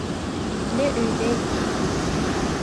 Итле өйҙә ике кис